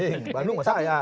banding bandung masa ya